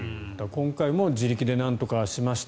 今回も自力でなんとかしました